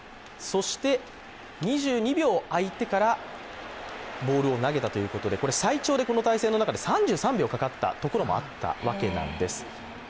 ２２秒あいてからボールを投げたということで、最長でこの対戦の中で３３秒かかったところもあったわけなんです。